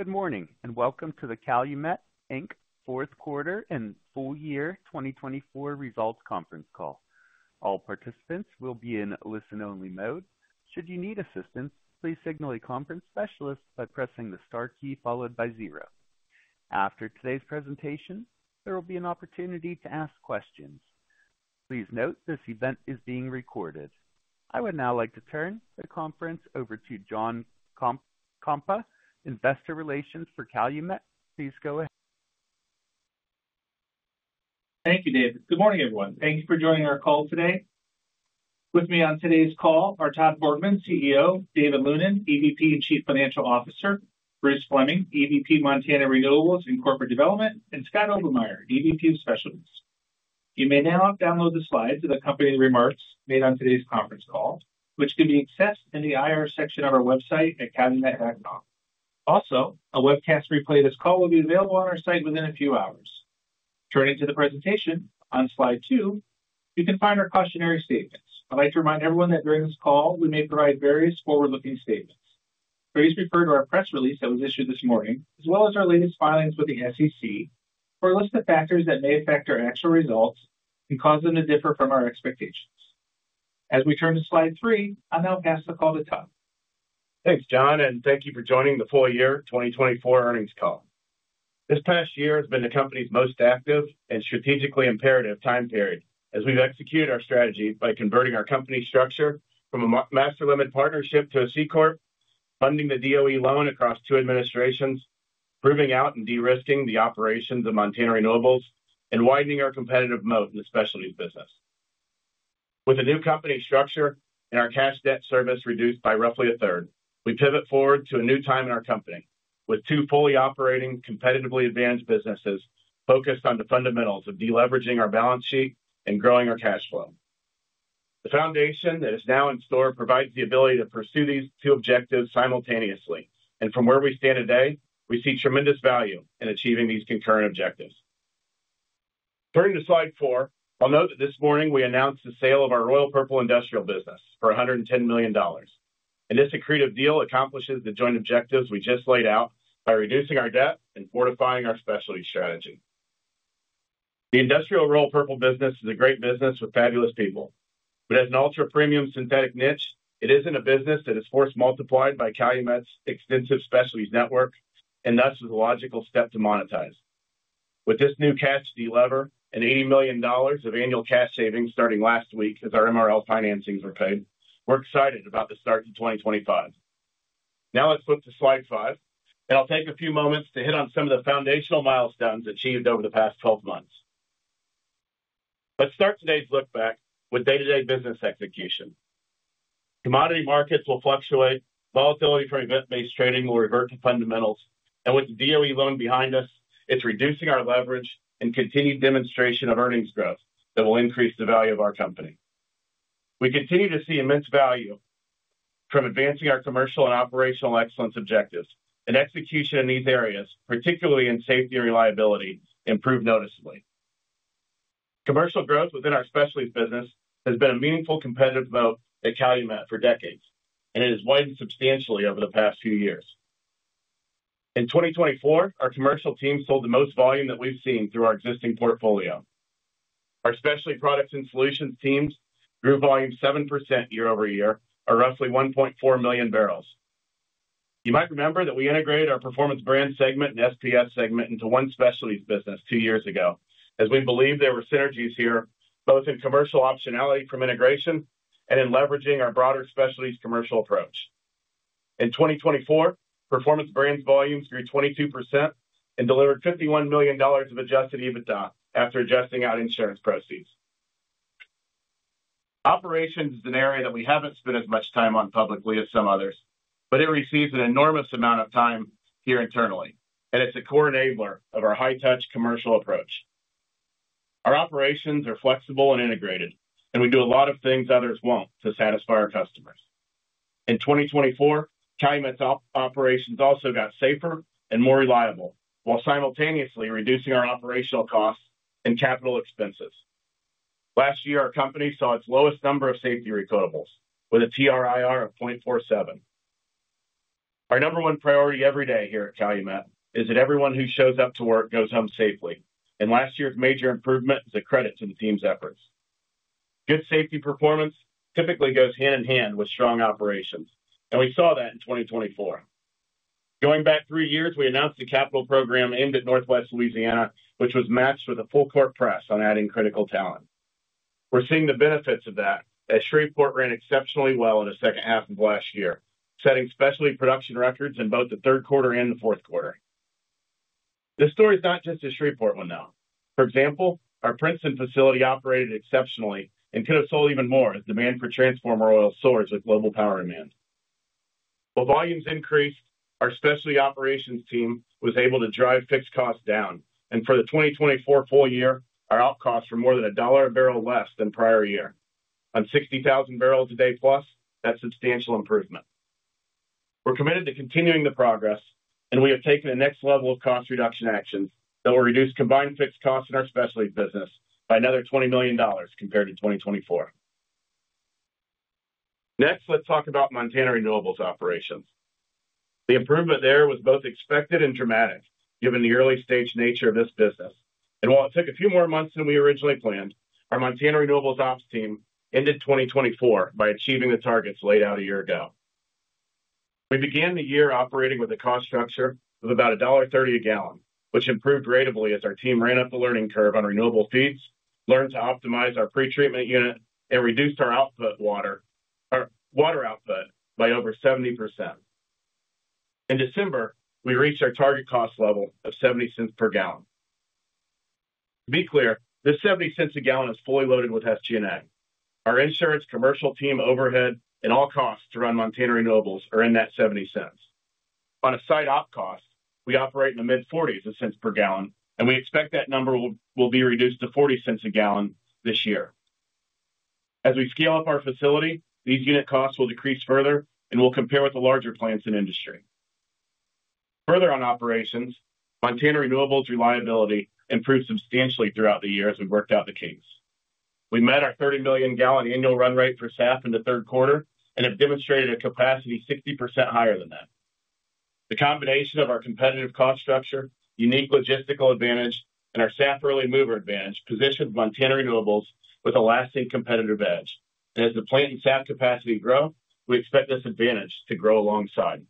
Good morning and welcome to the Calumet Fourth Quarter and Full Year 2024 Results Conference Call. All participants will be in listen-only mode. Should you need assistance, please signal a conference specialist by pressing the star key followed by zero. After today's presentation, there will be an opportunity to ask questions. Please note this event is being recorded. I would now like to turn the conference over to John Kompa, Investor Relations for Calumet. Please go ahead. Thank you, David. Good morning, everyone. Thank you for joining our call today. With me on today's call are Todd Borgmann, CEO; David Lunin, EVP and Chief Financial Officer; Bruce Fleming, EVP, Montana Renewables and Corporate Development; and Scott Obermeier, EVP and Specialist. You may now download the slides of the company remarks made on today's conference call, which can be accessed in the IR section of our website at calumet.com. Also, a webcast replay of this call will be available on our site within a few hours. Turning to the presentation, on slide two, you can find our cautionary statements. I'd like to remind everyone that during this call, we may provide various forward-looking statements. Please refer to our press release that was issued this morning, as well as our latest filings with the SEC for a list of factors that may affect our actual results and cause them to differ from our expectations. As we turn to slide three, I'll now pass the call to Todd. Thanks, John, and thank you for joining the full year 2024 earnings call. This past year has been the company's most active and strategically imperative time period as we've executed our strategy by converting our company structure from a master limited partnership to a C corp, funding the DOE loan across two administrations, proving out and de-risking the operations of Montana Renewables, and widening our competitive moat in the specialties business. With a new company structure and our cash debt service reduced by roughly a third, we pivot forward to a new time in our company with two fully operating, competitively advanced businesses focused on the fundamentals of deleveraging our balance sheet and growing our cash flow. The foundation that is now in store provides the ability to pursue these two objectives simultaneously, and from where we stand today, we see tremendous value in achieving these concurrent objectives. Turning to slide four, I'll note that this morning we announced the sale of our Royal Purple industrial business for $110 million, and this accretive deal accomplishes the joint objectives we just laid out by reducing our debt and fortifying our specialty strategy. The industrial Royal Purple business is a great business with fabulous people, but as an ultra-premium synthetic niche, it isn't a business that is force multiplied by Calumet's extensive specialties network, and thus is a logical step to monetize. With this new cash delever and $80 million of annual cash savings starting last week as our MRL financings were paid, we're excited about the start to 2025. Now let's flip to slide five, and I'll take a few moments to hit on some of the foundational milestones achieved over the past 12 months. Let's start today's look back with day-to-day business execution. Commodity markets will fluctuate, volatility from event-based trading will revert to fundamentals, and with the DOE loan behind us, it's reducing our leverage and continued demonstration of earnings growth that will increase the value of our company. We continue to see immense value from advancing our commercial and operational excellence objectives, and execution in these areas, particularly in safety and reliability, improved noticeably. Commercial growth within our specialties business has been a meaningful competitive moat at Calumet for decades, and it has widened substantially over the past few years. In 2024, our commercial team sold the most volume that we've seen through our existing portfolio. Our specialty products and solutions teams grew volume 7% year-over-year or roughly 1.4 million barrels. You might remember that we integrated our performance brand segment and SPS segment into one specialties business two years ago, as we believe there were synergies here, both in commercial optionality from integration and in leveraging our broader specialties commercial approach. In 2024, performance brands volumes grew 22% and delivered $51 million of adjusted EBITDA after adjusting out insurance proceeds. Operations is an area that we have not spent as much time on publicly as some others, but it receives an enormous amount of time here internally, and it is a core enabler of our high-touch commercial approach. Our operations are flexible and integrated, and we do a lot of things others will not to satisfy our customers. In 2024, Calumet's operations also got safer and more reliable while simultaneously reducing our operational costs and capital expenses. Last year, our company saw its lowest number of safety recordables with a TRIR of 0.47. Our number one priority every day here at Calumet is that everyone who shows up to work goes home safely, and last year's major improvement is a credit to the team's efforts. Good safety performance typically goes hand in hand with strong operations, and we saw that in 2024. Going back three years, we announced a capital program aimed at Northwest Louisiana, which was matched with a full-court press on adding critical talent. We're seeing the benefits of that as Shreveport ran exceptionally well in the second half of last year, setting specialty production records in both the third quarter and the fourth quarter. This story is not just a Shreveport one, though. For example, our Princeton facility operated exceptionally and could have sold even more as demand for transformer oil soars with global power demand. While volumes increased, our specialty operations team was able to drive fixed costs down, and for the 2024 full year, our outcosts were more than a dollar a barrel less than prior year. On 60,000 barrels a day plus, that's substantial improvement. We're committed to continuing the progress, and we have taken the next level of cost reduction actions that will reduce combined fixed costs in our specialties business by another $20 million compared to 2024. Next, let's talk about Montana Renewables operations. The improvement there was both expected and dramatic given the early-stage nature of this business, and while it took a few more months than we originally planned, our Montana Renewables ops team ended 2024 by achieving the targets laid out a year ago. We began the year operating with a cost structure of about $1.30 a gallon, which improved radically as our team ran up the learning curve on renewable feeds, learned to optimize our pretreatment unit, and reduced our output water output by over 70%. In December, we reached our target cost level of $0.70 per gallon. To be clear, this $0.70 a gallon is fully loaded with SG&A. Our insurance, commercial team, overhead, and all costs to run Montana Renewables are in that $0.70. On a site-op cost, we operate in the mid-forties of cents per gallon, and we expect that number will be reduced to $0.40 a gallon this year. As we scale up our facility, these unit costs will decrease further and will compare with the larger plants in industry. Further on operations, Montana Renewables reliability improved substantially throughout the year as we worked out the kinks. We met our 30 million gallon annual run rate for SAF in the third quarter and have demonstrated a capacity 60% higher than that. The combination of our competitive cost structure, unique logistical advantage, and our SAF early mover advantage positions Montana Renewables with a lasting competitive edge, and as the plant and SAF capacity grow, we expect this advantage to grow alongside.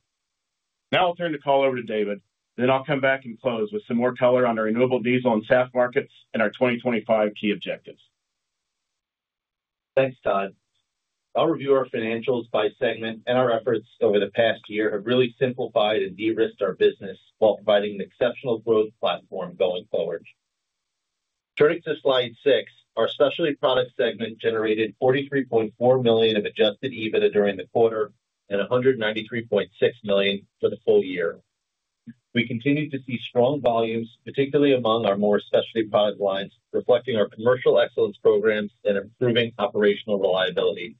Now I'll turn the call over to David, and then I'll come back and close with some more color on our renewable diesel and SAF markets and our 2025 key objectives. Thanks, Todd. I'll review our financials by segment, and our efforts over the past year have really simplified and de-risked our business while providing an exceptional growth platform going forward. Turning to slide six, our specialty product segment generated $43.4 million of adjusted EBITDA during the quarter and $193.6 million for the full year. We continue to see strong volumes, particularly among our more specialty product lines, reflecting our commercial excellence programs and improving operational reliability.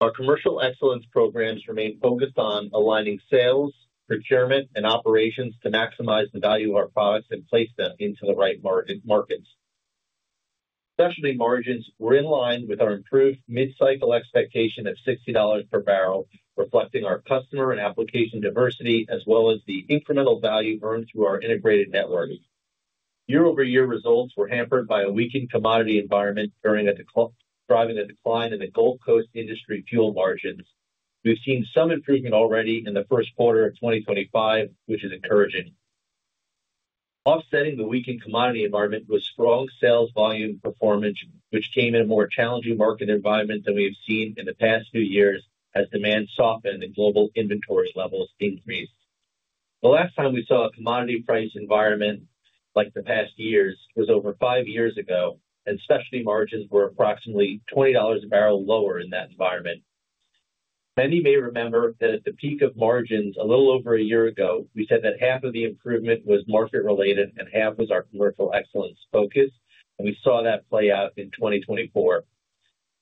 Our commercial excellence programs remain focused on aligning sales, procurement, and operations to maximize the value of our products and place them into the right markets. Specialty margins were in line with our improved mid-cycle expectation of $60 per barrel, reflecting our customer and application diversity as well as the incremental value earned through our integrated network. Year-over-year results were hampered by a weakened commodity environment driving a decline in the Gulf Coast industry fuel margins. We've seen some improvement already in the first quarter of 2025, which is encouraging. Offsetting the weakened commodity environment was strong sales volume performance, which came in a more challenging market environment than we have seen in the past few years as demand softened and global inventory levels increased. The last time we saw a commodity price environment like the past years was over five years ago, and specialty margins were approximately $20 a barrel lower in that environment. Many may remember that at the peak of margins a little over a year ago, we said that half of the improvement was market-related and half was our commercial excellence focus, and we saw that play out in 2024.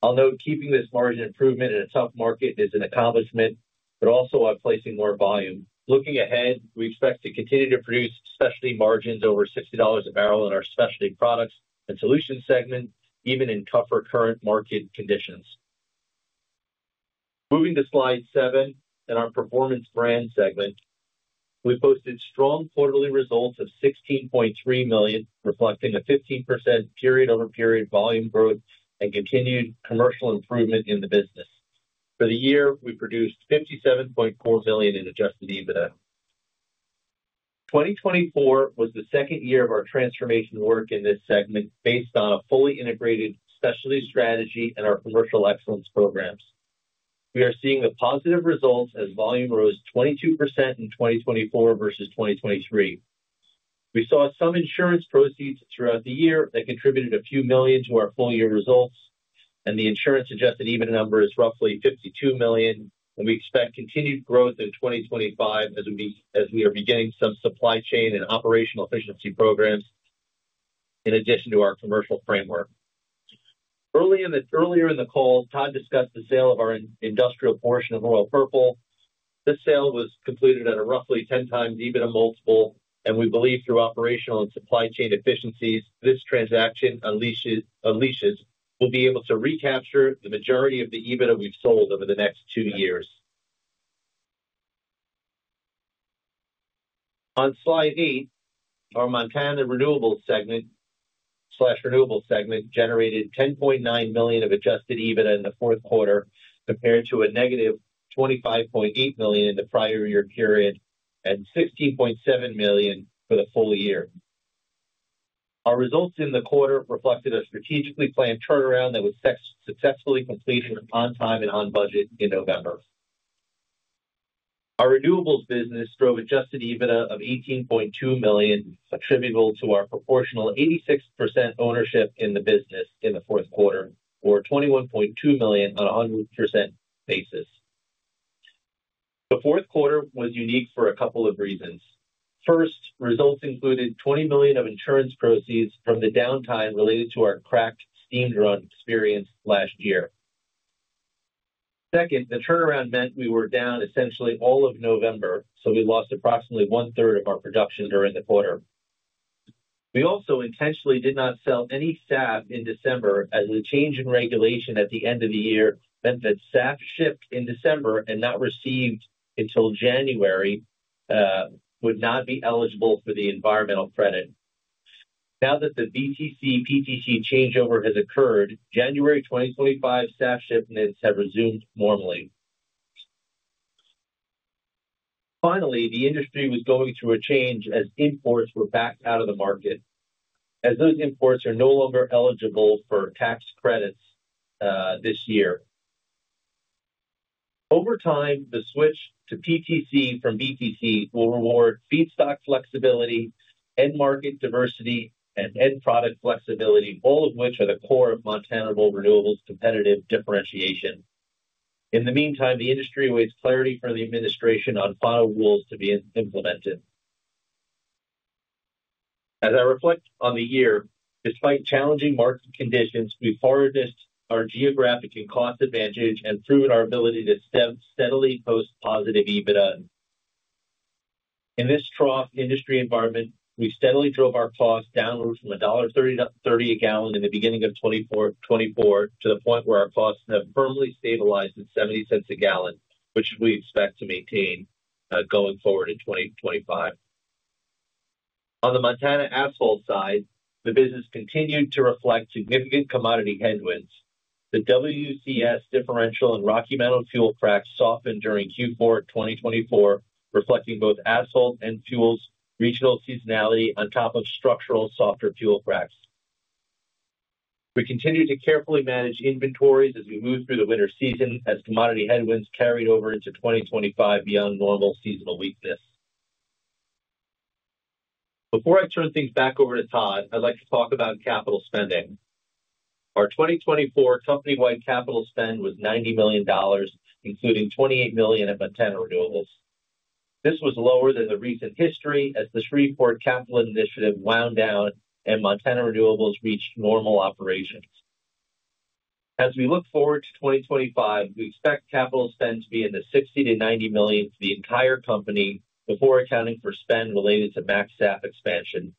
I'll note keeping this margin improvement in a tough market is an accomplishment, but also on placing more volume. Looking ahead, we expect to continue to produce specialty margins over $60 a barrel in our specialty products and solutions segment, even in tougher current market conditions. Moving to slide seven in our performance brand segment, we posted strong quarterly results of $16.3 million, reflecting a 15% period-over-period volume growth and continued commercial improvement in the business. For the year, we produced $57.4 million in adjusted EBITDA. 2024 was the second year of our transformation work in this segment based on a fully integrated specialty strategy and our commercial excellence programs. We are seeing the positive results as volume rose 22% in 2024 versus 2023. We saw some insurance proceeds throughout the year that contributed a few million to our full year results, and the insurance adjusted EBITDA number is roughly $52 million, and we expect continued growth in 2025 as we are beginning some supply chain and operational efficiency programs in addition to our commercial framework. Earlier in the call, Todd discussed the sale of our industrial portion of Royal Purple. This sale was completed at a roughly 10 times EBITDA multiple, and we believe through operational and supply chain efficiencies, this transaction unleashes we'll be able to recapture the majority of the EBITDA we've sold over the next two years. On slide eight, our Montana Renewables segment/renewable segment generated $10.9 million of adjusted EBITDA in the fourth quarter compared to a $-25.8 million in the prior year period and $16.7 million for the full year. Our results in the quarter reflected a strategically planned turnaround that was successfully completed on time and on budget in November. Our renewables business drove adjusted EBITDA of $18.2 million, attributable to our proportional 86% ownership in the business in the fourth quarter, or $21.2 million on a 100% basis. The fourth quarter was unique for a couple of reasons. First, results included $20 million of insurance proceeds from the downtime related to our cracked steam drum experience last year. Second, the turnaround meant we were down essentially all of November, so we lost approximately one-third of our production during the quarter. We also intentionally did not sell any SAF in December as the change in regulation at the end of the year meant that SAF shipped in December and not received until January would not be eligible for the environmental credit. Now that the VTC/PTC changeover has occurred, January 2025 SAF shipments have resumed normally. Finally, the industry was going through a change as imports were backed out of the market, as those imports are no longer eligible for tax credits this year. Over time, the switch to PTC from VTC will reward feedstock flexibility, end-market diversity, and end-product flexibility, all of which are the core of Montana Renewables' competitive differentiation. In the meantime, the industry awaits clarity from the administration on final rules to be implemented. As I reflect on the year, despite challenging market conditions, we've harnessed our geographic and cost advantage and proven our ability to steadily post positive EBITDA. In this trough industry environment, we steadily drove our costs downward from $1.30 a gallon in the beginning of 2024 to the point where our costs have firmly stabilized at $0.70 a gallon, which we expect to maintain going forward in 2025. On the Montana asphalt side, the business continued to reflect significant commodity headwinds. The WCS differential and Rocky Mountain fuel cracks softened during Q4 2024, reflecting both asphalt and fuels' regional seasonality on top of structural softer fuel cracks. We continue to carefully manage inventories as we move through the winter season as commodity headwinds carried over into 2025 beyond normal seasonal weakness. Before I turn things back over to Todd, I'd like to talk about capital spending. Our 2024 company-wide capital spend was $90 million, including $28 million at Montana Renewables. This was lower than the recent history as the Shreveport Capital Initiative wound down and Montana Renewables reached normal operations. As we look forward to 2025, we expect capital spend to be in the $60 million-$90 million for the entire company before accounting for spend related to MACSAF expansion.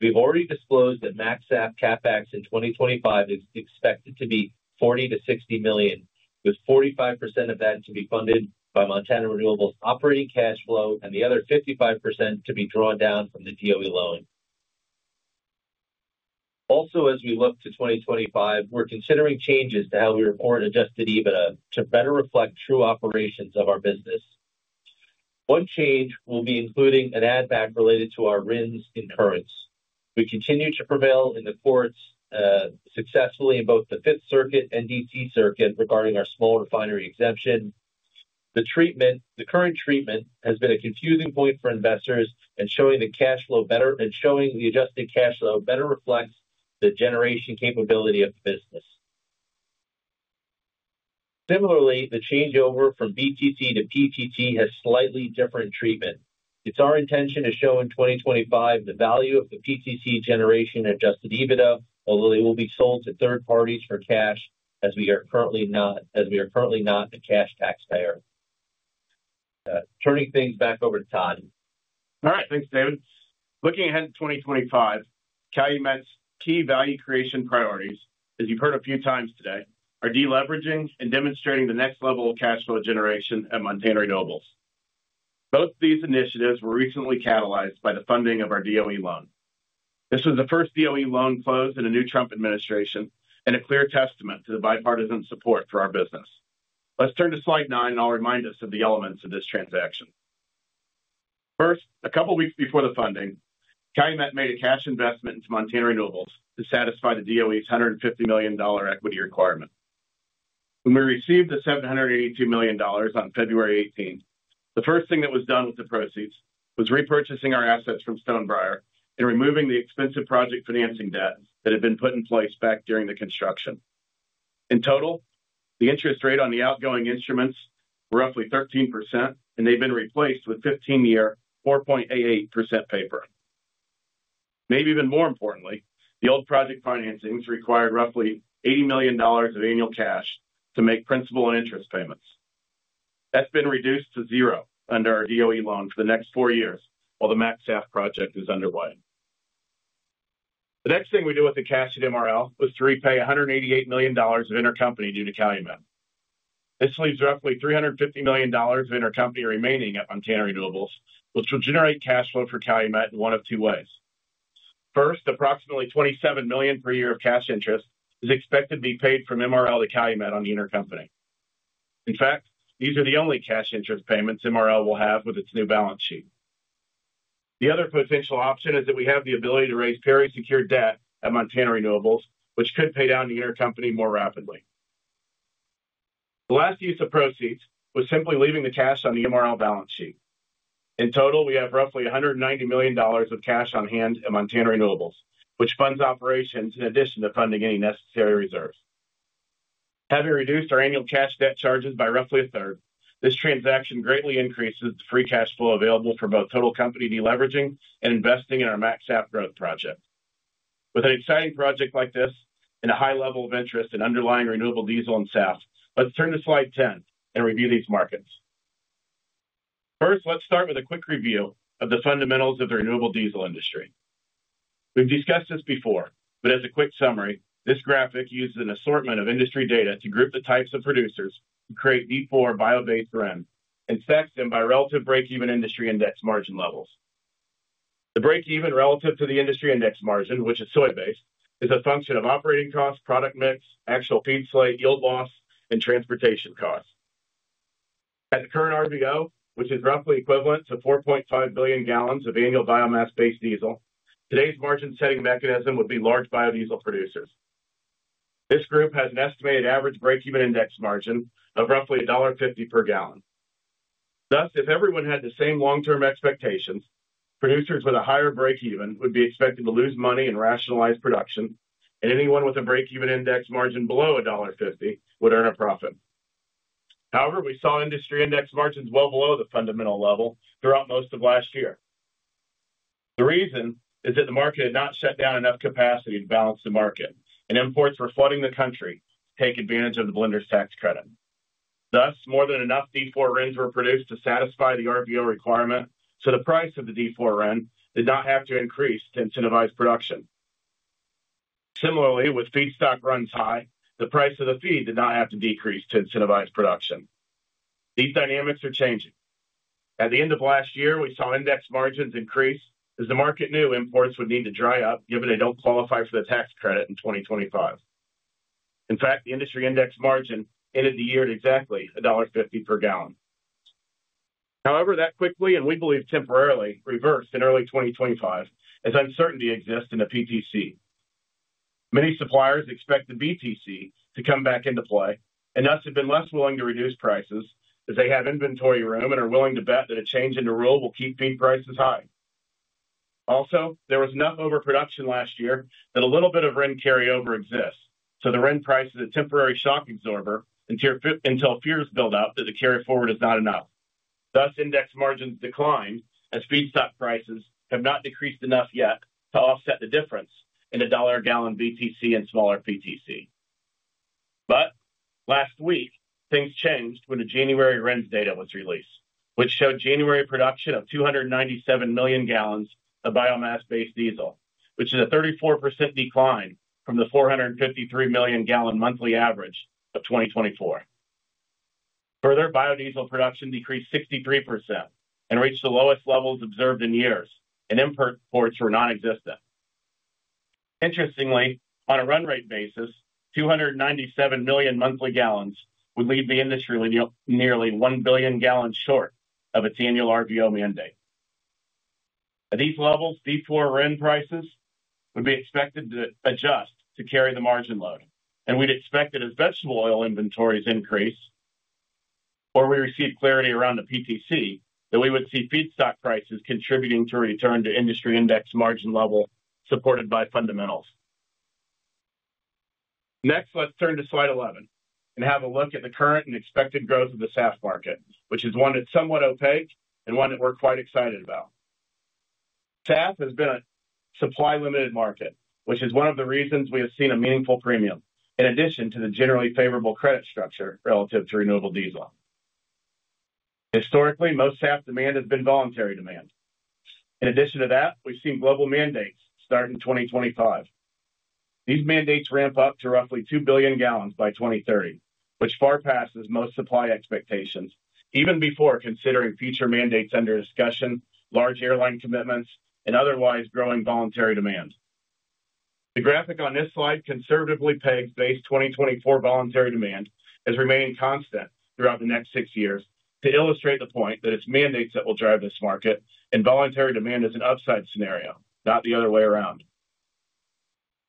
We've already disclosed that MACSAF CapEx in 2025 is expected to be $40 million-$60 million, with 45% of that to be funded by Montana Renewables operating cash flow and the other 55% to be drawn down from the DOE loan. Also, as we look to 2025, we're considering changes to how we report adjusted EBITDA to better reflect true operations of our business. One change will be including an add-back related to our RINs incurrence. We continue to prevail in the courts successfully in both the Fifth Circuit and DC Circuit regarding our small refinery exemption. The current treatment has been a confusing point for investors and showing the adjusted cash flow better reflects the generation capability of the business. Similarly, the changeover from BTC to PTC has slightly different treatment. It's our intention to show in 2025 the value of the PTC generation adjusted EBITDA, although they will be sold to third parties for cash as we are currently not a cash taxpayer. Turning things back over to Todd. All right, thanks, David. Looking ahead to 2025, Calumet's key value creation priorities, as you've heard a few times today, are deleveraging and demonstrating the next level of cash flow generation at Montana Renewables. Both of these initiatives were recently catalyzed by the funding of our DOE loan. This was the first DOE loan closed in a new Trump administration and a clear testament to the bipartisan support for our business. Let's turn to slide nine, and I'll remind us of the elements of this transaction. First, a couple of weeks before the funding, Calumet made a cash investment into Montana Renewables to satisfy the DOE's $150 million equity requirement. When we received the $782 million on February 18, the first thing that was done with the proceeds was repurchasing our assets from Stonebriar and removing the expensive project financing debt that had been put in place back during the construction. In total, the interest rate on the outgoing instruments were roughly 13%, and they've been replaced with 15-year 4.88% paper. Maybe even more importantly, the old project financings required roughly $80 million of annual cash to make principal and interest payments. That's been reduced to zero under our DOE loan for the next four years while the MACSAF project is underway. The next thing we do with the cash at MRL was to repay $188 million of intercompany due to Calumet. This leaves roughly $350 million of intercompany remaining at Montana Renewables, which will generate cash flow for Calumet in one of two ways. First, approximately $27 million per year of cash interest is expected to be paid from MRL to Calumet on the intercompany. In fact, these are the only cash interest payments MRL will have with its new balance sheet. The other potential option is that we have the ability to raise parity secured debt at Montana Renewables, which could pay down the intercompany more rapidly. The last use of proceeds was simply leaving the cash on the MRL balance sheet. In total, we have roughly $190 million of cash on hand at Montana Renewables, which funds operations in addition to funding any necessary reserves. Having reduced our annual cash debt charges by roughly a third, this transaction greatly increases the free cash flow available for both total company deleveraging and investing in our MACSAF growth project. With an exciting project like this and a high level of interest in underlying renewable diesel and SAF, let's turn to slide 10 and review these markets. First, let's start with a quick review of the fundamentals of the renewable diesel industry. We've discussed this before, but as a quick summary, this graphic uses an assortment of industry data to group the types of producers to create D4 bio-based RIN and sects them by relative break-even industry index margin levels. The break-even relative to the industry index margin, which is soy-based, is a function of operating costs, product mix, actual feed slate, yield loss, and transportation costs. At the current RVO, which is roughly equivalent to 4.5 billion gallons of annual biomass-based diesel, today's margin-setting mechanism would be large biodiesel producers. This group has an estimated average break-even index margin of roughly $1.50 per gallon. Thus, if everyone had the same long-term expectations, producers with a higher break-even would be expected to lose money and rationalize production, and anyone with a break-even index margin below $1.50 would earn a profit. However, we saw industry index margins well below the fundamental level throughout most of last year. The reason is that the market had not shut down enough capacity to balance the market, and imports were flooding the country to take advantage of the blender's tax credit. Thus, more than enough D4 RINs were produced to satisfy the RVO requirement, so the price of the D4 RIN did not have to increase to incentivize production. Similarly, with feedstock runs high, the price of the feed did not have to decrease to incentivize production. These dynamics are changing. At the end of last year, we saw index margins increase as the market knew imports would need to dry up given they do not qualify for the tax credit in 2025. In fact, the industry index margin ended the year at exactly $1.50 per gallon. However, that quickly, and we believe temporarily, reversed in early 2025 as uncertainty exists in the PTC. Many suppliers expect the BTC to come back into play, and thus have been less willing to reduce prices as they have inventory room and are willing to bet that a change in the rule will keep feed prices high. Also, there was enough overproduction last year that a little bit of RIN carryover exists, so the RIN price is a temporary shock absorber until fears build up that the carryforward is not enough. Thus, index margins declined as feedstock prices have not decreased enough yet to offset the difference in the dollar-gallon BTC and smaller PTC. Last week, things changed when the January RINs data was released, which showed January production of 297 million gallons of biomass-based diesel, which is a 34% decline from the 453 million gallon monthly average of 2024. Further, biodiesel production decreased 63% and reached the lowest levels observed in years, and imports were nonexistent. Interestingly, on a run rate basis, 297 million monthly gallons would leave the industry nearly 1 billion gallons short of its annual RVO mandate. At these levels, D4 RIN prices would be expected to adjust to carry the margin load, and we'd expect that as vegetable oil inventories increase or we receive clarity around the PTC, that we would see feedstock prices contributing to return to industry index margin level supported by fundamentals. Next, let's turn to slide 11 and have a look at the current and expected growth of the SAF market, which is one that's somewhat opaque and one that we're quite excited about. SAF has been a supply-limited market, which is one of the reasons we have seen a meaningful premium in addition to the generally favorable credit structure relative to renewable diesel. Historically, most SAF demand has been voluntary demand. In addition to that, we've seen global mandates start in 2025. These mandates ramp up to roughly 2 billion gallons by 2030, which far passes most supply expectations, even before considering future mandates under discussion, large airline commitments, and otherwise growing voluntary demand. The graphic on this slide conservatively pegs base 2024 voluntary demand as remaining constant throughout the next six years to illustrate the point that it's mandates that will drive this market, and voluntary demand is an upside scenario, not the other way around.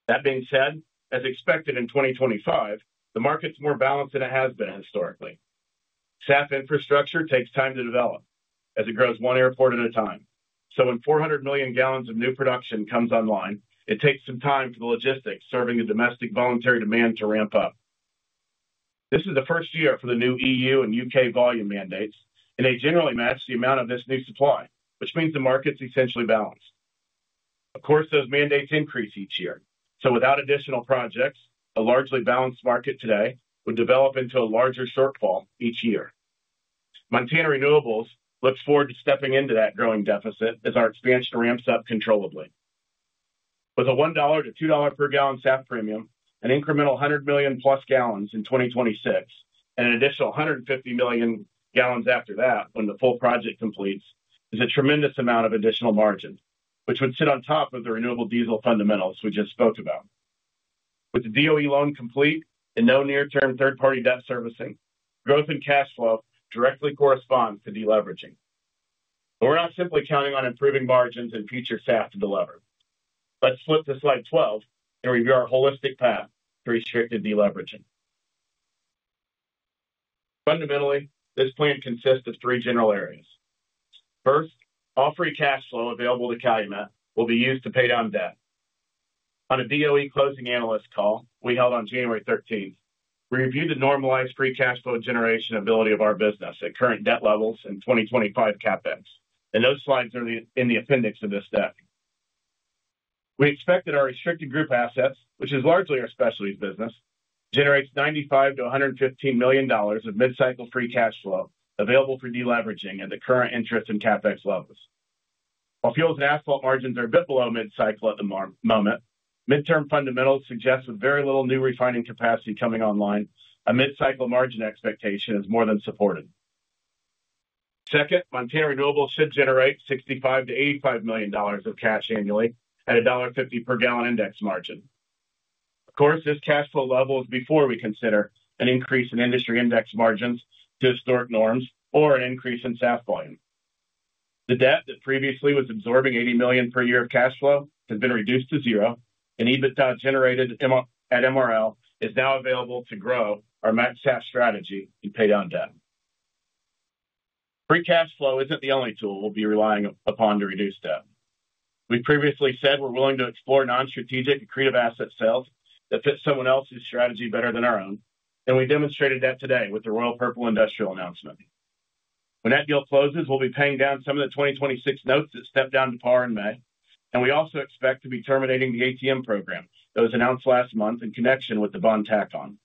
That being said, as expected in 2025, the market's more balanced than it has been historically. SAF infrastructure takes time to develop as it grows one airport at a time. When 400 million gallons of new production comes online, it takes some time for the logistics serving the domestic voluntary demand to ramp up. This is the first year for the new EU and U.K. volume mandates, and they generally match the amount of this new supply, which means the market's essentially balanced. Of course, those mandates increase each year, so without additional projects, a largely balanced market today would develop into a larger shortfall each year. Montana Renewables looks forward to stepping into that growing deficit as our expansion ramps up controllable. With a $1-$2 per gallon SAF premium, an incremental 100 million plus gallons in 2026, and an additional 150 million gallons after that when the full project completes, is a tremendous amount of additional margin, which would sit on top of the renewable diesel fundamentals we just spoke about. With the DOE loan complete and no near-term third-party debt servicing, growth in cash flow directly corresponds to deleveraging. We are not simply counting on improving margins and future SAF to deliver. Let's flip to slide 12 and review our holistic path to restricted deleveraging. Fundamentally, this plan consists of three general areas. First, all free cash flow available to Calumet will be used to pay down debt. On a DOE closing analyst call we held on January 13, we reviewed the normalized free cash flow generation ability of our business at current debt levels and 2025 CapEx, and those slides are in the appendix of this deck. We expect that our restricted group assets, which is largely our specialties business, generates $95-$115 million of mid-cycle free cash flow available for deleveraging at the current interest and CapEx levels. While fuels and asphalt margins are a bit below mid-cycle at the moment, mid-term fundamentals suggest with very little new refining capacity coming online, a mid-cycle margin expectation is more than supported. Second, Montana Renewables should generate $65-$85 million of cash annually at a $1.50 per gallon index margin. Of course, this cash flow level is before we consider an increase in industry index margins to historic norms or an increase in SAF volume. The debt that previously was absorbing $80 million per year of cash flow has been reduced to zero, and EBITDA generated at MRL is now available to grow our MACSAF strategy and pay down debt. Free cash flow isn't the only tool we'll be relying upon to reduce debt. We've previously said we're willing to explore non-strategic accretive asset sales that fit someone else's strategy better than our own, and we demonstrated that today with the Royal Purple Industrial announcement. When that deal closes, we'll be paying down some of the 2026 notes that stepped down to par in May, and we also expect to be terminating the ATM program that was announced last month in connection with the bond tack-on.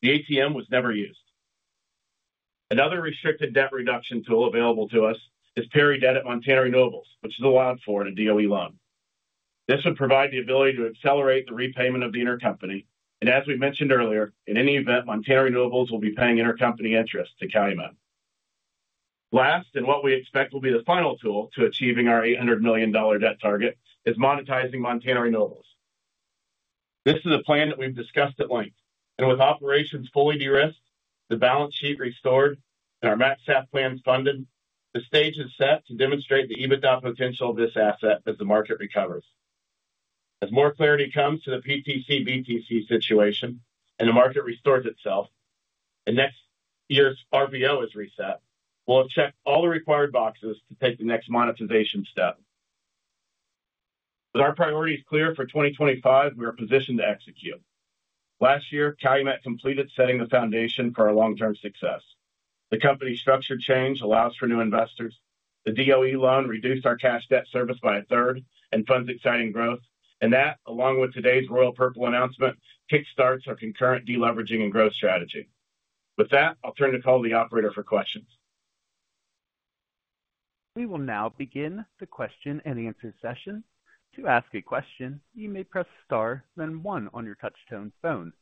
The ATM was never used. Another restricted debt reduction tool available to us is parity debt at Montana Renewables, which is allowed for in a DOE loan. This would provide the ability to accelerate the repayment of the intercompany. As we mentioned earlier, in any event, Montana Renewables will be paying intercompany interest to Calumet. Last, and what we expect will be the final tool to achieving our $800 million debt target is monetizing Montana Renewables. This is a plan that we've discussed at length, and with operations fully de-risked, the balance sheet restored, and our MACSAF plans funded, the stage is set to demonstrate the EBITDA potential of this asset as the market recovers. As more clarity comes to the PTC/BTC situation and the market restores itself, and next year's RVO is reset, we'll have checked all the required boxes to take the next monetization step. With our priorities clear for 2025, we are positioned to execute. Last year, Calumet completed setting the foundation for our long-term success. The company structure change allows for new investors, the DOE loan reduced our cash debt service by a third and funds exciting growth, and that, along with today's Royal Purple announcement, kickstarts our concurrent deleveraging and growth strategy. With that, I'll turn to call the operator for questions. We will now begin the question and answer session. To ask a question, you may press star, then one on your touch-tone phone.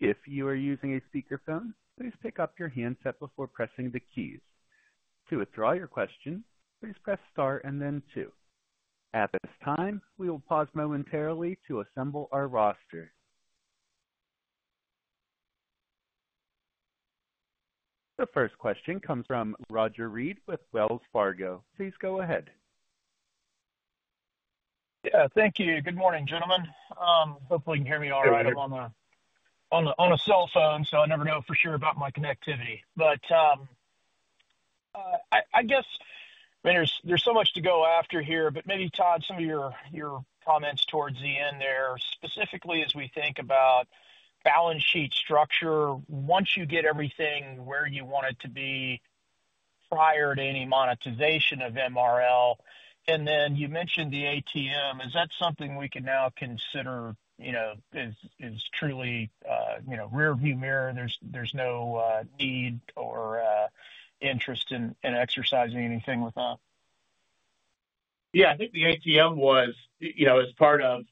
If you are using a speakerphone, please pick up your handset before pressing the keys. To withdraw your question, please press star and then two. At this time, we will pause momentarily to assemble our roster. The first question comes from Roger Reed with Wells Fargo. Please go ahead. Yeah, thank you. Good morning, gentlemen. Hopefully, you can hear me all right. I'm on a cell phone, so I never know for sure about my connectivity. I guess there's so much to go after here, but maybe, Todd, some of your comments towards the end there, specifically as we think about balance sheet structure, once you get everything where you want it to be prior to any monetization of MRL, and then you mentioned the ATM. Is that something we can now consider as truly rearview mirror? There's no need or interest in exercising anything with that? Yeah, I think the ATM was, as part of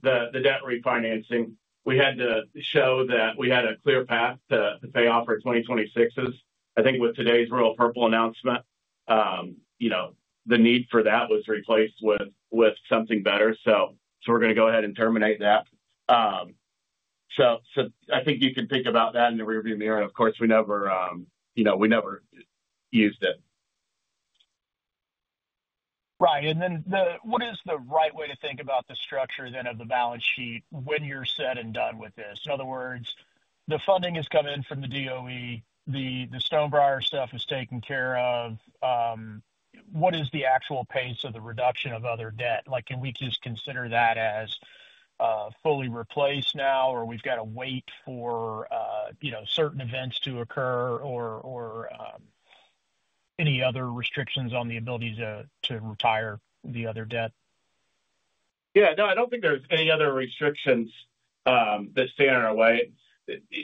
the debt refinancing, we had to show that we had a clear path to pay off our 2026s. I think with today's Royal Purple announcement, the need for that was replaced with something better. We're going to go ahead and terminate that. I think you can think about that in the rearview mirror. Of course, we never used it. Right. What is the right way to think about the structure then of the balance sheet when you're set and done with this? In other words, the funding has come in from the DOE, the Stonepbriar stuff is taken care of. What is the actual pace of the reduction of other debt? Can we just consider that as fully replaced now, or we've got to wait for certain events to occur or any other restrictions on the ability to retire the other debt? Yeah. No, I don't think there's any other restrictions that stand in our way.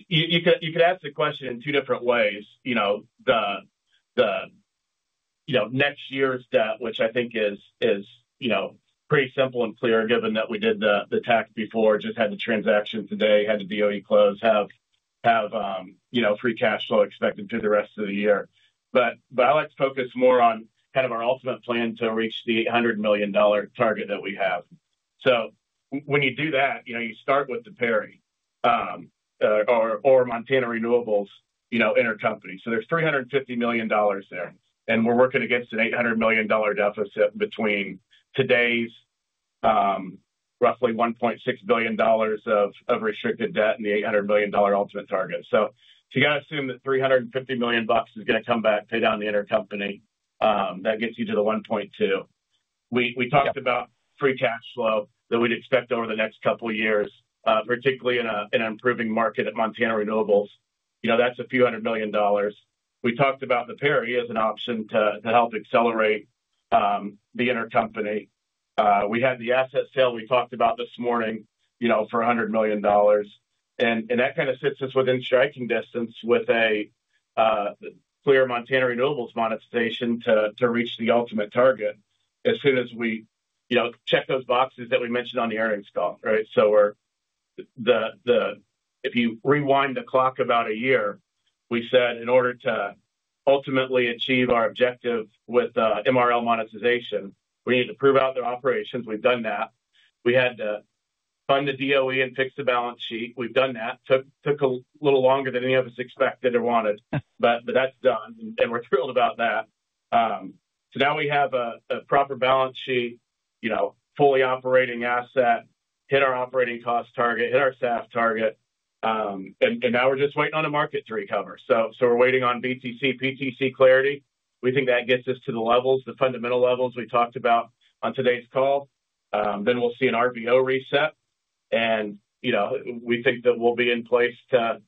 You could ask the question in two different ways. The next year's debt, which I think is pretty simple and clear given that we did the tax before, just had the transaction today, had the DOE close, have free cash flow expected through the rest of the year. I like to focus more on kind of our ultimate plan to reach the $100 million target that we have. When you do that, you start with the parity or Montana Renewables intercompany. There is $350 million there, and we're working against an $800 million deficit between today's roughly $1.6 billion of restricted debt and the $800 million ultimate target. You got to assume that $350 million is going to come back, pay down the intercompany. That gets you to the 1.2. We talked about free cash flow that we'd expect over the next couple of years, particularly in an improving market at Montana Renewables. That's a few hundred million dollars. We talked about the parity as an option to help accelerate the intercompany. We had the asset sale we talked about this morning for $100 million. That kind of sits us within striking distance with a clear Montana Renewables monetization to reach the ultimate target as soon as we check those boxes that we mentioned on the earnings call, right? If you rewind the clock about a year, we said in order to ultimately achieve our objective with MRL monetization, we need to prove out their operations. We've done that. We had to fund the DOE and fix the balance sheet. We've done that. Took a little longer than any of us expected or wanted, but that's done, and we're thrilled about that. Now we have a proper balance sheet, fully operating asset, hit our operating cost target, hit our SAF target, and now we're just waiting on the market to recover. We're waiting on BTC/PTC clarity. We think that gets us to the levels, the fundamental levels we talked about on today's call. We'll see an RVO reset, and we think that we'll be in place to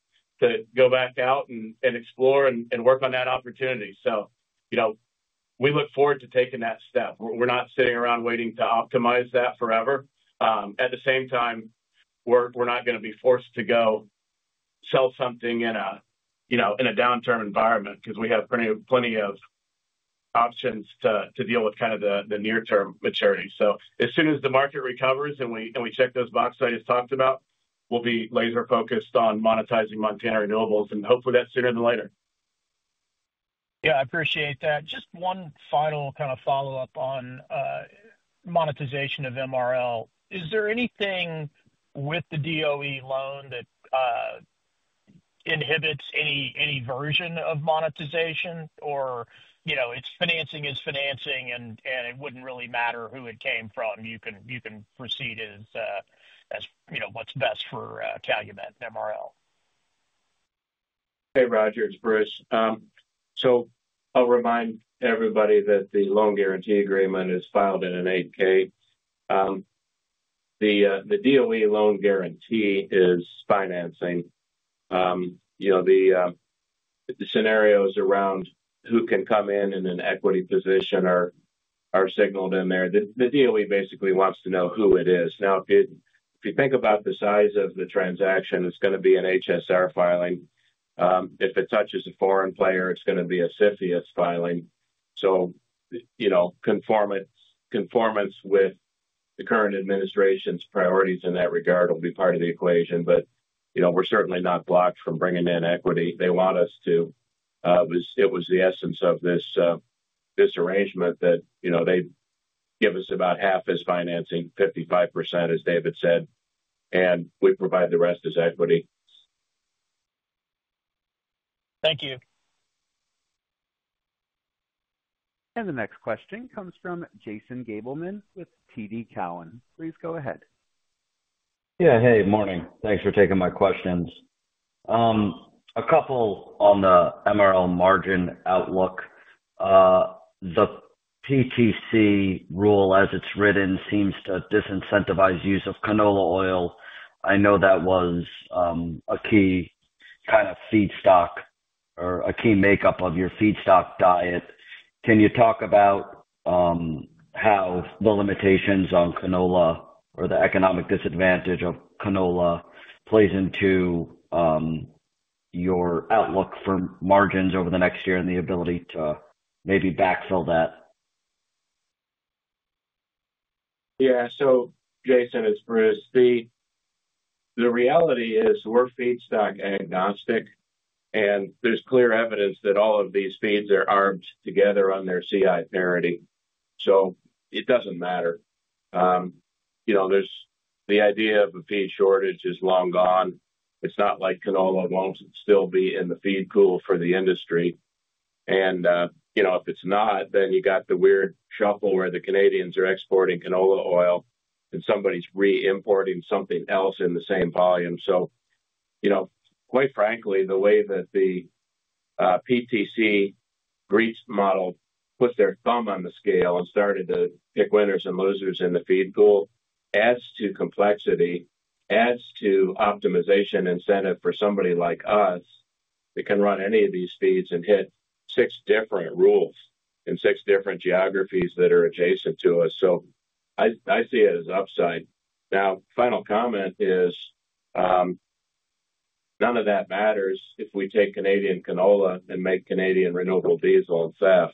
go back out and explore and work on that opportunity. We look forward to taking that step. We're not sitting around waiting to optimize that forever. At the same time, we're not going to be forced to go sell something in a downturn environment because we have plenty of options to deal with kind of the near-term maturity. As soon as the market recovers and we check those boxes I just talked about, we'll be laser-focused on monetizing Montana Renewables, and hopefully that's sooner than later. Yeah, I appreciate that. Just one final kind of follow-up on monetization of MRL. Is there anything with the DOE loan that inhibits any version of monetization, or it's financing is financing, and it wouldn't really matter who it came from? You can proceed as what's best for Calumet and MRL. Hey, Roger. It's Bruce. I'll remind everybody that the loan guarantee agreement is filed in an 8-K. The DOE loan guarantee is financing. The scenarios around who can come in in an equity position are signaled in there. The DOE basically wants to know who it is. Now, if you think about the size of the transaction, it's going to be an HSR filing. If it touches a foreign player, it's going to be a CFIUS filing. Conformance with the current administration's priorities in that regard will be part of the equation. We're certainly not blocked from bringing in equity. They want us to. It was the essence of this arrangement that they give us about half as financing, 55%, as David said, and we provide the rest as equity. Thank you. The next question comes from Jason Gabelman with TD Cowen. Please go ahead. Yeah. Hey, morning. Thanks for taking my questions. A couple on the MRL margin outlook. The PTC rule, as it's written, seems to disincentivize use of canola oil. I know that was a key kind of feedstock or a key makeup of your feedstock diet. Can you talk about how the limitations on canola or the economic disadvantage of canola plays into your outlook for margins over the next year and the ability to maybe backfill that? Yeah. Jason, it's Bruce. The reality is we're feedstock agnostic, and there's clear evidence that all of these feeds are armed together on their CI parity. It doesn't matter. The idea of a feed shortage is long gone. It's not like canola won't still be in the feed pool for the industry. If it's not, then you got the weird shuffle where the Canadians are exporting canola oil, and somebody's re-importing something else in the same volume. Quite frankly, the way that the PTC Greece model put their thumb on the scale and started to pick winners and losers in the feed pool adds to complexity, adds to optimization incentive for somebody like us that can run any of these feeds and hit six different rules in six different geographies that are adjacent to us. I see it as upside. Now, final comment is none of that matters if we take Canadian canola and make Canadian renewable diesel and SAF.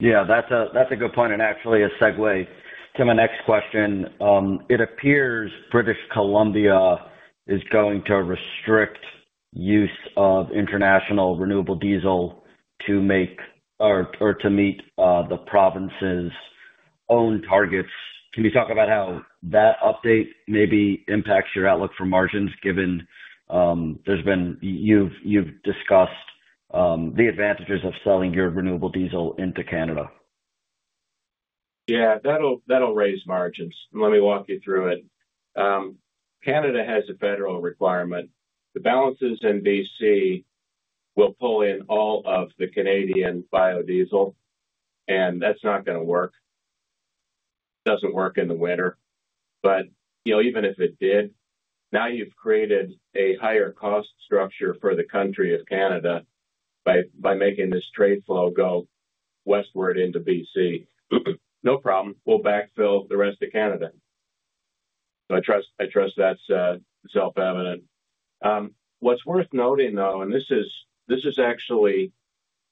Yeah, that's a good point and actually a segue to my next question. It appears British Columbia is going to restrict use of international renewable diesel to make or to meet the province's own targets. Can you talk about how that update maybe impacts your outlook for margins given you've discussed the advantages of selling your renewable diesel into Canada? Yeah, that'll raise margins. Let me walk you through it. Canada has a federal requirement. The balances in British Columbia will pull in all of the Canadian biodiesel, and that's not going to work. Doesn't work in the winter. Even if it did, now you've created a higher cost structure for the country of Canada by making this trade flow go westward into British Columbia. No problem. We'll backfill the rest of Canada. I trust that's self-evident. What's worth noting, though, and this is actually,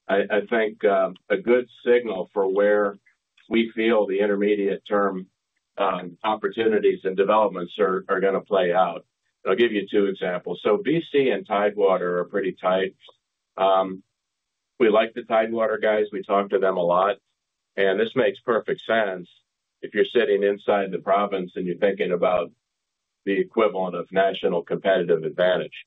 I think, a good signal for where we feel the intermediate-term opportunities and developments are going to play out. I'll give you two examples. BC and Tidewater are pretty tight. We like the Tidewater guys. We talk to them a lot. This makes perfect sense if you're sitting inside the province and you're thinking about the equivalent of national competitive advantage.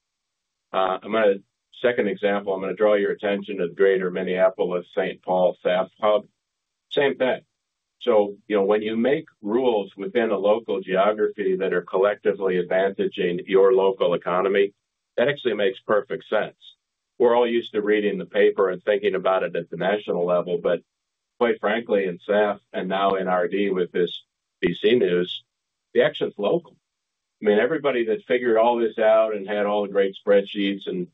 Second example, I'm going to draw your attention to the Greater Minneapolis-Saint Paul SAF hub. Same thing. When you make rules within a local geography that are collectively advantaging your local economy, that actually makes perfect sense. We're all used to reading the paper and thinking about it at the national level, but quite frankly, in SAF and now in RD with this BC news, the action's local. I mean, everybody that figured all this out and had all the great spreadsheets and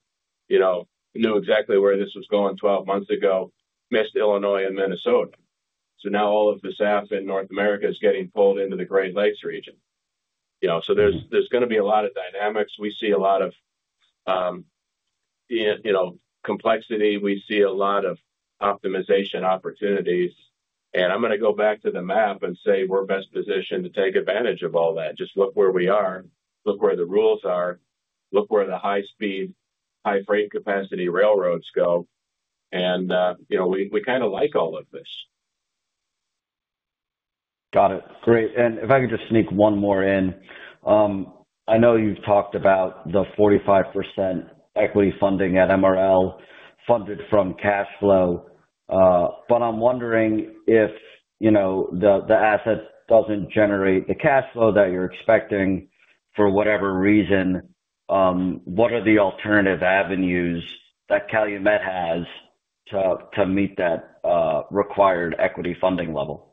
knew exactly where this was going 12 months ago missed Illinois and Minnesota. Now all of the SAF in North America is getting pulled into the Great Lakes region. There's going to be a lot of dynamics. We see a lot of complexity. We see a lot of optimization opportunities. I'm going to go back to the map and say we're best positioned to take advantage of all that. Just look where we are. Look where the rules are. Look where the high-speed, high-frame capacity railroads go. We kind of like all of this. Got it. Great. If I could just sneak one more in. I know you've talked about the 45% equity funding at MRL funded from cash flow. I'm wondering if the asset doesn't generate the cash flow that you're expecting for whatever reason, what are the alternative avenues that Calumet has to meet that required equity funding level?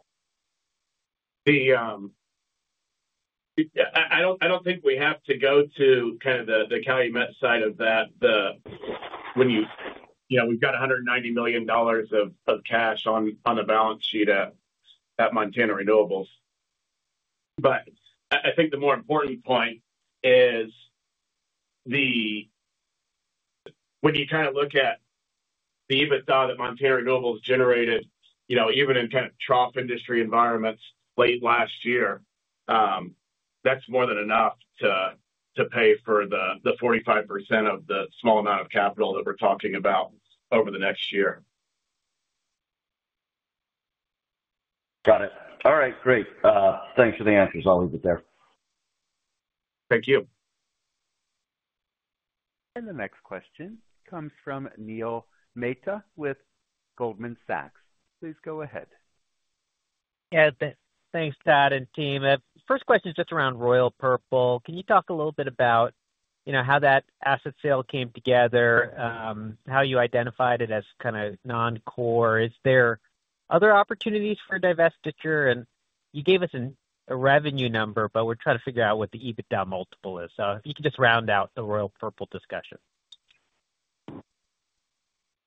I don't think we have to go to kind of the Calumet side of that when we've got $190 million of cash on the balance sheet at Montana Renewables. I think the more important point is when you kind of look at the EBITDA that Montana Renewables generated, even in kind of trough industry environments late last year, that's more than enough to pay for the 45% of the small amount of capital that we're talking about over the next year. Got it. All right. Great. Thanks for the answers. I'll leave it there. Thank you. The next question comes from Neil Mehta with Goldman Sachs. Please go ahead. Yeah. Thanks, Todd and team. First question is just around Royal Purple. Can you talk a little bit about how that asset sale came together, how you identified it as kind of non-core? Is there other opportunities for divestiture? You gave us a revenue number, but we're trying to figure out what the EBITDA multiple is. If you could just round out the Royal Purple discussion.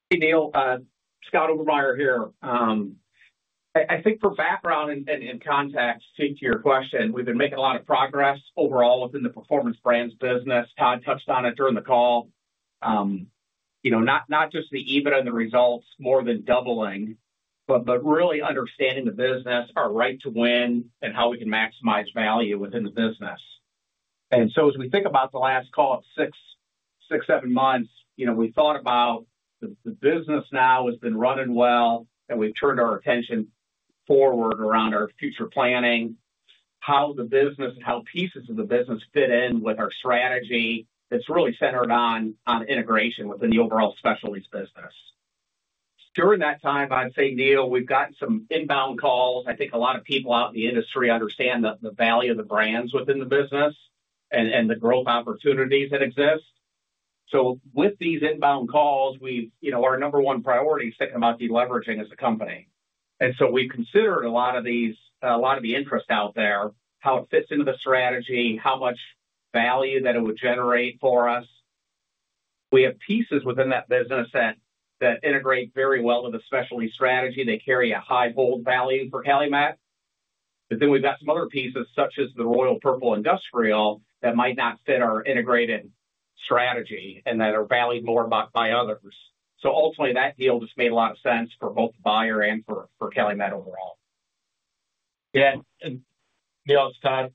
Hey, Neil. Scott Obermeier here. I think for background and context to your question, we've been making a lot of progress overall within the performance brands business. Todd touched on it during the call. Not just the EBITDA and the results more than doubling, but really understanding the business, our right to win, and how we can maximize value within the business. As we think about the last call of six, seven months, we thought about the business now has been running well, and we've turned our attention forward around our future planning, how the business and how pieces of the business fit in with our strategy. It's really centered on integration within the overall specialties business. During that time, I'd say, Neil, we've gotten some inbound calls. I think a lot of people out in the industry understand the value of the brands within the business and the growth opportunities that exist. With these inbound calls, our number one priority is thinking about deleveraging as a company. We have considered a lot of the interest out there, how it fits into the strategy, how much value that it would generate for us. We have pieces within that business that integrate very well with the specialty strategy. They carry a high hold value for Calumet. Then we have some other pieces, such as the Royal Purple Industrial, that might not fit our integrated strategy and that are valued more by others. Ultimately, that deal just made a lot of sense for both the buyer and for Calumet overall. Yeah. Neil, Todd,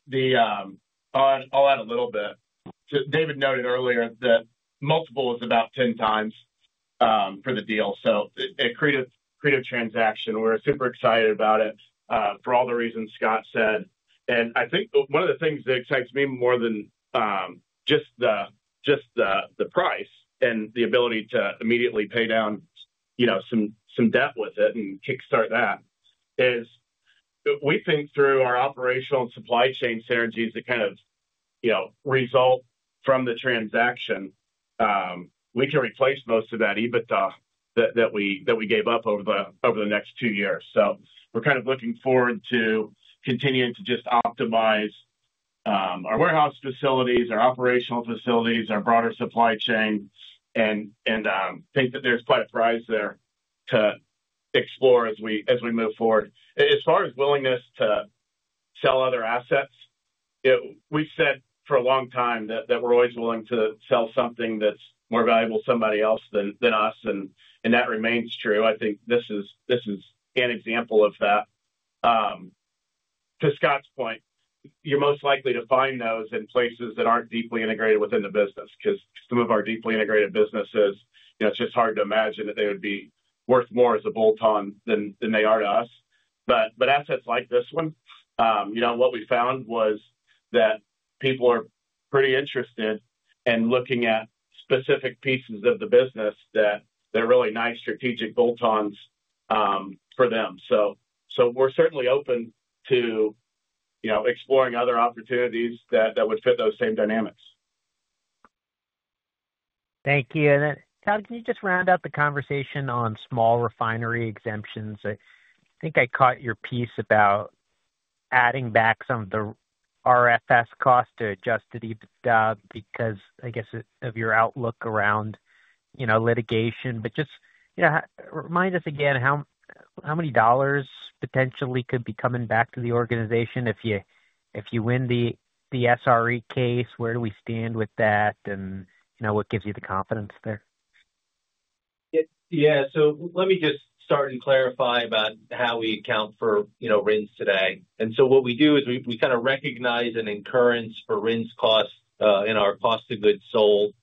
I'll add a little bit. David noted earlier that multiple is about 10 times for the deal. A creative transaction. We're super excited about it for all the reasons Scott said. I think one of the things that excites me more than just the price and the ability to immediately pay down some debt with it and kickstart that is we think through our operational and supply chain synergies that kind of result from the transaction, we can replace most of that EBITDA that we gave up over the next two years. We're kind of looking forward to continuing to just optimize our warehouse facilities, our operational facilities, our broader supply chain, and think that there's quite a prize there to explore as we move forward. As far as willingness to sell other assets, we've said for a long time that we're always willing to sell something that's more valuable to somebody else than us. That remains true. I think this is an example of that. To Scott's point, you're most likely to find those in places that aren't deeply integrated within the business because some of our deeply integrated businesses, it's just hard to imagine that they would be worth more as a bolt-on than they are to us. Assets like this one, what we found was that people are pretty interested in looking at specific pieces of the business that are really nice strategic bolt-ons for them. We're certainly open to exploring other opportunities that would fit those same dynamics. Thank you. Then, Todd, can you just round out the conversation on small refinery exemptions? I think I caught your piece about adding back some of the RFS cost to adjust the EBITDA because, I guess, of your outlook around litigation. Just remind us again how many dollars potentially could be coming back to the organization if you win the SRE case? Where do we stand with that? What gives you the confidence there? Yeah. Let me just start and clarify about how we account for RINs today. What we do is we kind of recognize an incurrence for RINs cost in our cost of goods sold.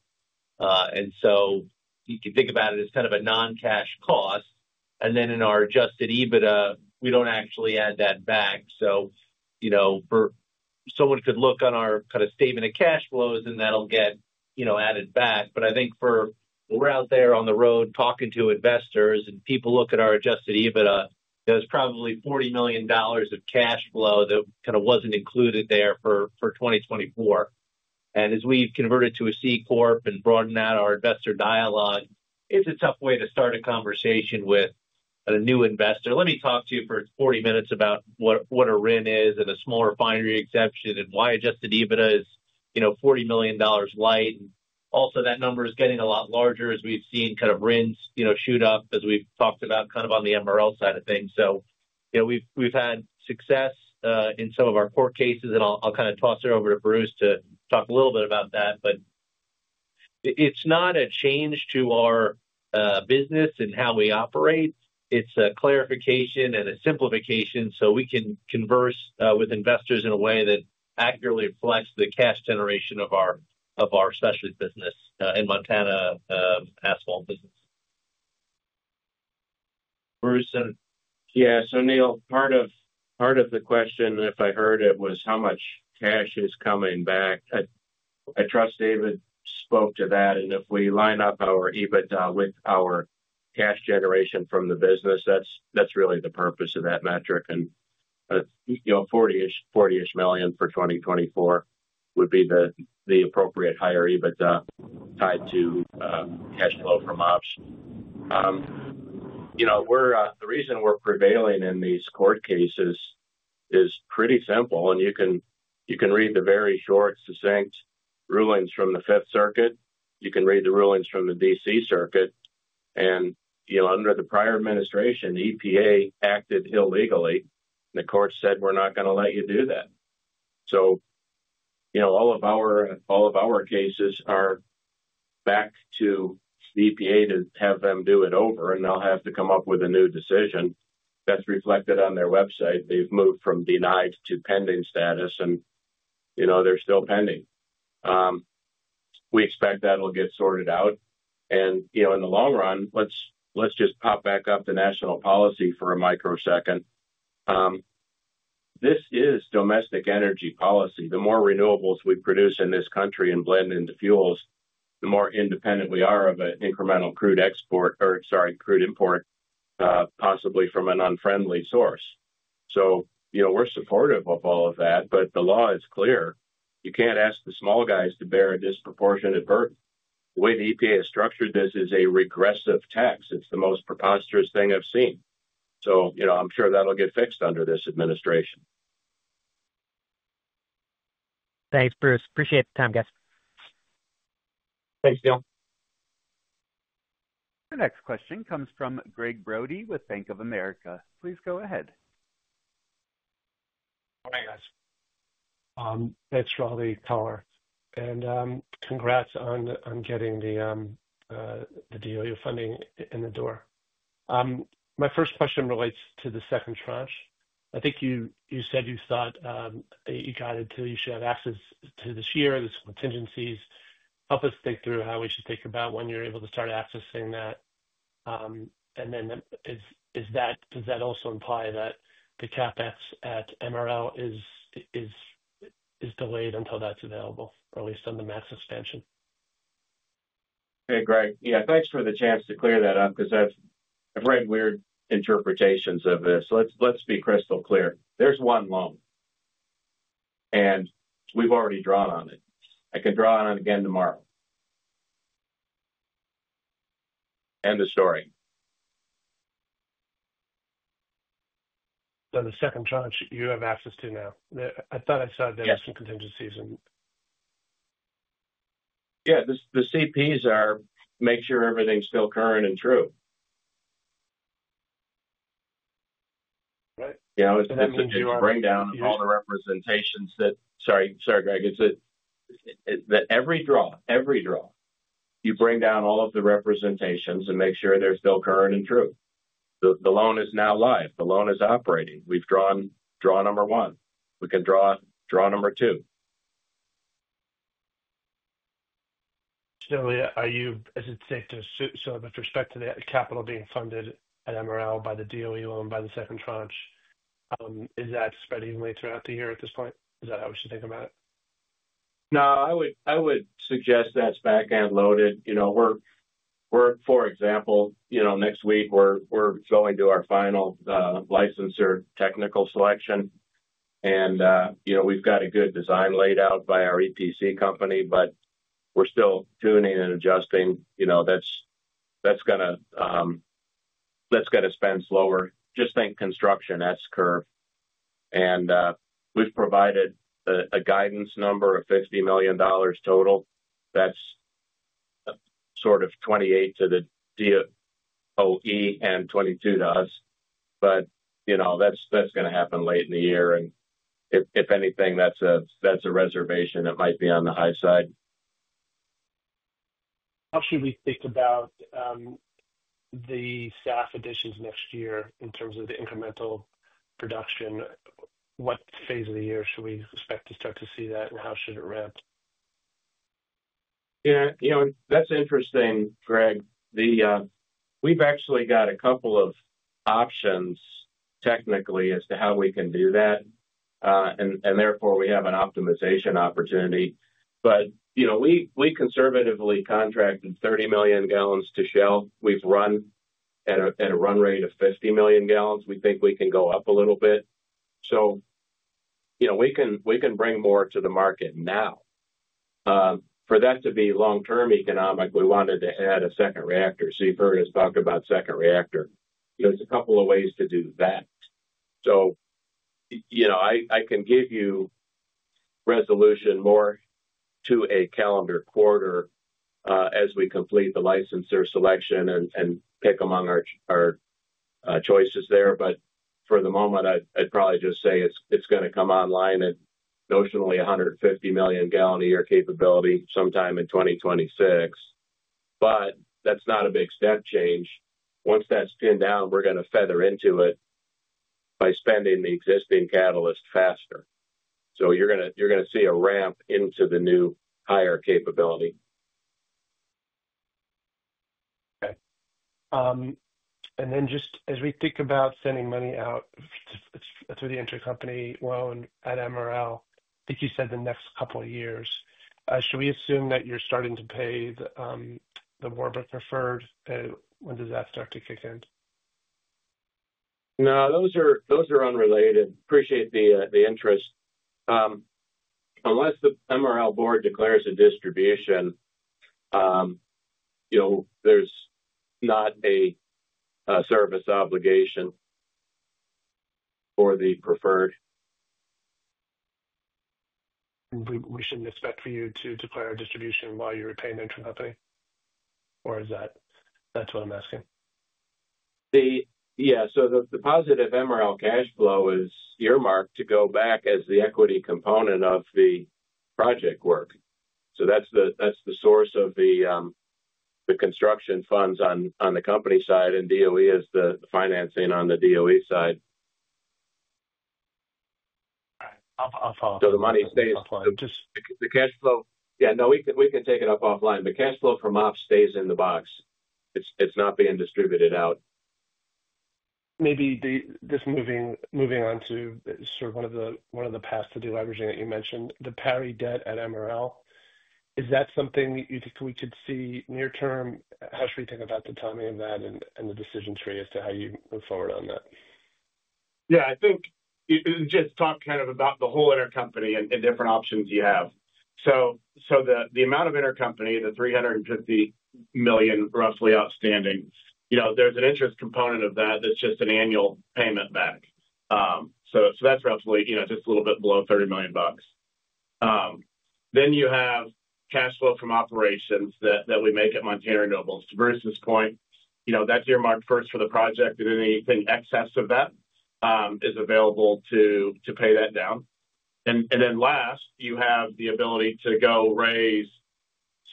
You can think about it as kind of a non-cash cost. In our adjusted EBITDA, we do not actually add that back. Someone could look on our statement of cash flows, and that will get added back. I think for we're out there on the road talking to investors, and people look at our adjusted EBITDA, there's probably $40 million of cash flow that kind of wasn't included there for 2024. As we've converted to a C corp and broadened out our investor dialogue, it's a tough way to start a conversation with a new investor. Let me talk to you for 40 minutes about what a RIN is and a small refinery exemption and why adjusted EBITDA is $40 million light. Also, that number is getting a lot larger as we've seen kind of RINs shoot up as we've talked about kind of on the MRL side of things. We've had success in some of our court cases, and I'll kind of toss it over to Bruce to talk a little bit about that. It's not a change to our business and how we operate. It's a clarification and a simplification so we can converse with investors in a way that accurately reflects the cash generation of our specialty business and Montana asphalt business. Bruce? Yeah. Neil, part of the question, if I heard it, was how much cash is coming back. I trust David spoke to that. If we line up our EBITDA with our cash generation from the business, that's really the purpose of that metric. A $40 million-ish for 2024 would be the appropriate higher EBITDA tied to cash flow from ops. The reason we're prevailing in these court cases is pretty simple. You can read the very short, succinct rulings from the Fifth Circuit. You can read the rulings from the DC Circuit. Under the prior administration, the EPA acted illegally, and the court said, "We're not going to let you do that." All of our cases are back to the EPA to have them do it over, and they'll have to come up with a new decision. That's reflected on their website. They've moved from denied to pending status, and they're still pending. We expect that'll get sorted out. In the long run, let's just pop back up to national policy for a microsecond. This is domestic energy policy. The more renewables we produce in this country and blend into fuels, the more independent we are of an incremental crude export or, sorry, crude import, possibly from an unfriendly source. We're supportive of all of that, but the law is clear. You can't ask the small guys to bear a disproportionate burden. The way the EPA has structured this is a regressive tax. It's the most preposterous thing I've seen. I'm sure that'll get fixed under this administration. Thanks, Bruce. Appreciate the time, guys. Thanks, Neil. The next question comes from Gregg Brody with Bank of America. Please go ahead. Morning, guys. Thanks, Raleigh Tower. Congrats on getting the deal, your funding in the door. My first question relates to the second tranche. I think you said you thought you got it till you should have access to this year. There's contingencies. Help us think through how we should think about when you're able to start accessing that. Does that also imply that the CapEx at MRL is delayed until that's available, or at least on the max expansion? Great. Thanks for the chance to clear that up because I've read weird interpretations of this. Let's be crystal clear. There's one loan, and we've already drawn on it. I can draw on it again tomorrow. End of story. The second tranche you have access to now. I thought I saw there were some contingencies in. Yeah. The CPs are make sure everything's still current and true. Right. Then you bring down all the representations that—sorry, Greg—is that every draw, every draw, you bring down all of the representations and make sure they're still current and true. The loan is now live. The loan is operating. We've drawn number one. We can draw number two. Still, are you—as it's safe to assume with respect to the capital being funded at MRL by the DOE loan by the second tranche, is that spread evenly throughout the year at this point? Is that how we should think about it? No, I would suggest that's backhand loaded. For example, next week, we're going to our final licensor technical selection, and we've got a good design laid out by our EPC company, but we're still tuning and adjusting. That's going to spend slower. Just think construction, that's curve. We have provided a guidance number of $50 million total. That's sort of $28 million to the DOE and $22 million to us. That's going to happen late in the year. If anything, that's a reservation that might be on the high side. How should we think about the staff additions next year in terms of the incremental production? What phase of the year should we expect to start to see that, and how should it ramp? Yeah. That's interesting, Greg. We've actually got a couple of options technically as to how we can do that, and therefore, we have an optimization opportunity. We conservatively contracted 30 million gallons to Shell. We've run at a run rate of 50 million gallons. We think we can go up a little bit. We can bring more to the market now. For that to be long-term economic, we wanted to add a second reactor. Steve Byrd has talked about second reactor. There's a couple of ways to do that. I can give you resolution more to a calendar quarter as we complete the licensor selection and pick among our choices there. For the moment, I'd probably just say it's going to come online at notionally 150 million gallon a year capability sometime in 2026. That's not a big step change. Once that's pinned down, we're going to feather into it by spending the existing catalyst faster. You're going to see a ramp into the new higher capability. Okay. Just as we think about sending money out through the intercompany loan at MRL, I think you said the next couple of years. Should we assume that you're starting to pay the Warburg preferred? When does that start to kick in? No, those are unrelated. Appreciate the interest. Unless the MRL board declares a distribution, there's not a service obligation for the preferred. We shouldn't expect for you to declare a distribution while you retain the intercompany? Or is that what I'm asking? Yeah. The positive MRL cash flow is earmarked to go back as the equity component of the project work. That's the source of the construction funds on the company side, and DOE is the financing on the DOE side. All right. I'll follow up. The money stays offline. The cash flow—yeah, no, we can take it up offline. The cash flow from ops stays in the box. It's not being distributed out. Maybe just moving on to sort of one of the paths to deleveraging that you mentioned, the parity debt at MRL. Is that something you think we could see near-term? How should we think about the timing of that and the decision tree as to how you move forward on that? Yeah. I think just talk kind of about the whole intercompany and different options you have. So the amount of intercompany, the $350 million roughly outstanding, there's an interest component of that that's just an annual payment back. So that's roughly just a little bit below $30 million bucks. Then you have cash flow from operations that we make at Montana Renewables. To Bruce's point, that's earmarked first for the project, and anything excess of that is available to pay that down. You have the ability to go raise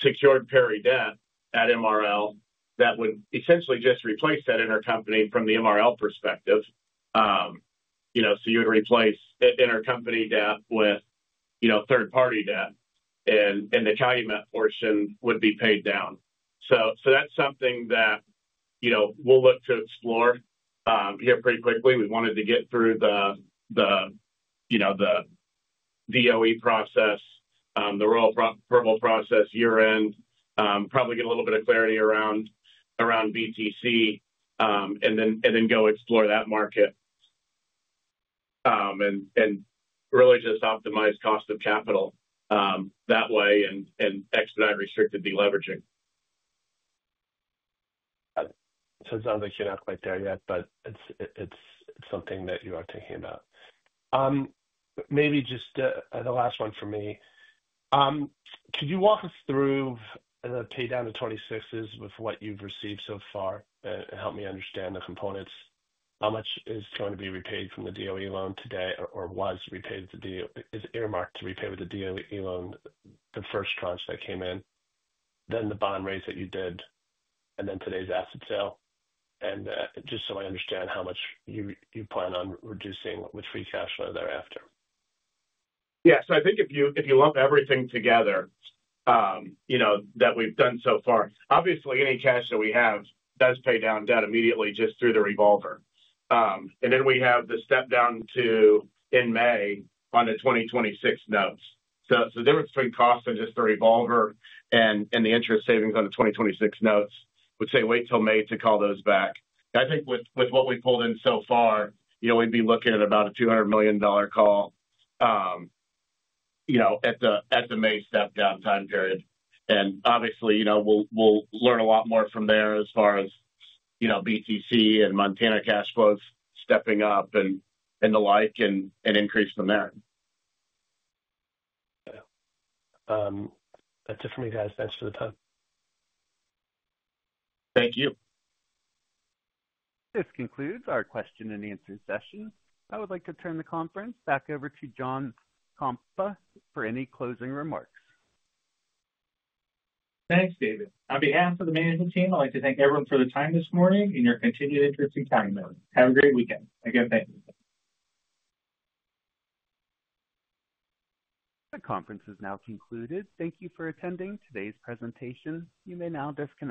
secured parity debt at MRL that would essentially just replace that intercompany from the MRL perspective. You would replace intercompany debt with third-party debt, and the Calumet portion would be paid down. That is something that we will look to explore here pretty quickly. We wanted to get through the DOE process, the Royal Purple process year-end, probably get a little bit of clarity around BTC, and then go explore that market and really just optimize cost of capital that way and expedite restricted deleveraging. Got it. It sounds like you are not quite there yet, but it is something that you are thinking about. Maybe just the last one for me. Could you walk us through the pay down to 26's with what you have received so far and help me understand the components? How much is going to be repaid from the DOE loan today or was repaid with the—is earmarked to repay with the DOE loan the first tranche that came in, then the bond rates that you did, and then today's asset sale? Just so I understand how much you plan on reducing with free cash flow thereafter. Yeah. I think if you lump everything together that we've done so far, obviously, any cash that we have does pay down debt immediately just through the revolver. We have the step down to in May on the 2026 notes. The difference between cost and just the revolver and the interest savings on the 2026 notes would say wait till May to call those back. I think with what we pulled in so far, we'd be looking at about a $200 million call at the May step down time period. Obviously, we'll learn a lot more from there as far as BTC and Montana cash flows stepping up and the like and increase from there. Yeah. That's it from me, guys. Thanks for the time. Thank you. This concludes our question and answer session. I would like to turn the conference back over to John Kompa for any closing remarks. Thanks, David. On behalf of the management team, I'd like to thank everyone for their time this morning and your continued interest in Calumet. Have a great weekend. Again, thank you. The conference is now concluded. Thank you for attending today's presentation. You may now disconnect.